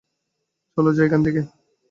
চলো যাই এখান থেকে!